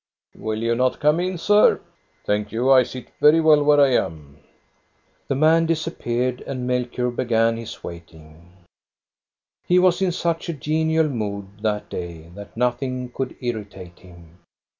" Will you not come in, sir? "" Thank you ! I sit very well where I am." The man disappeared, and Melchior began his waiting. He was in such a genial mood that day that nothing could irritate him.